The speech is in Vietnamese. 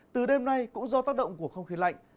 từ đêm nay cũng do tác động của không khí lạnh